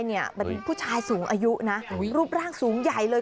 เป็นผู้ชายสูงอายุนะรูปร่างสูงใหญ่เลย